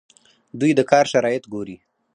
دوی د کار شرایط ګوري.